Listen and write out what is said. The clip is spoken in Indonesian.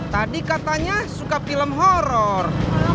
tadi katanya suka film horror